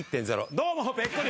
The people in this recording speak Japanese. どうもぺっこり